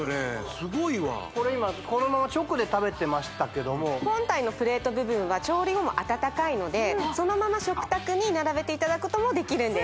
すごいわこれ今このまま直で食べてましたけども本体のプレート部分は調理後も温かいのでそのまま食卓に並べていただくこともできるんです